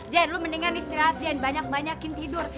jejen lo mendingan istirahat dan banyak banyakin tidur